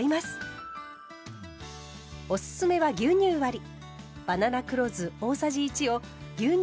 おすすめは牛乳割り。